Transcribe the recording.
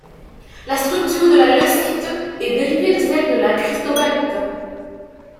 La structure de la leucite est dérivée de celle de la cristobalite.